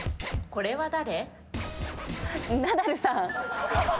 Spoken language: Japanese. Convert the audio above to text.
これは誰？